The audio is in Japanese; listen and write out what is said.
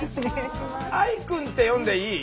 愛くんって呼んでいい？